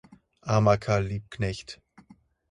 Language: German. Armer Karl Liebknecht!